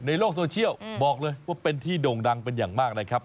ในโลกโซเชียลบอกเลยว่าเป็นที่โด่งดังเป็นอย่างมากนะครับ